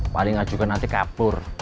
paling ajukan nanti kabur